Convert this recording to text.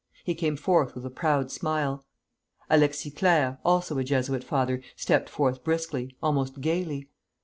He came forth with a proud smile. Alexis Clerc, also a Jesuit father, stepped forth briskly, almost gayly.